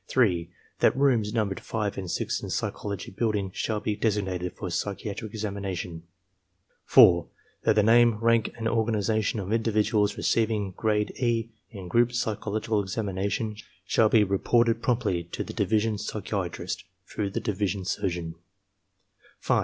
(3) That rooms numbered 5 and 6 in Psychology Building shall be designated for psychiatric examining. (4) That the name, rank, and organization of individuals receiving grade E in group psychological examination shall be reix)rted promptly to the division psychiatrist through the division surgeon.